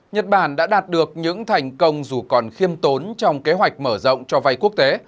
nhật bản đã đạt được những thành công dù còn khiêm tốn trong kế hoạch mở rộng cho vay quốc tế